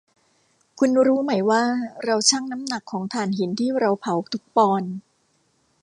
คุณรู้ไหมว่าเราชั่งน้ำหนักของถ่านหินที่เราเผาทุกปอนด์